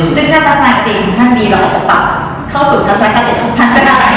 ซึ่งภาพทัศนาคติดของท่านดีเราอาจจะปรับเข้าสู่ภาพทัศนาคติดของท่าน